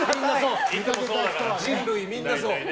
人類みんなそう。